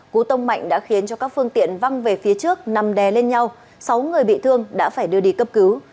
cú tông mạnh đã khiến cho các phương tiện văng về phía trước nằm đè lên nhau sáu người bị thương đã phải đưa đi cấp cứu